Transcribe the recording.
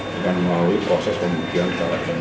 dengan melalui proses pembuktian secara umum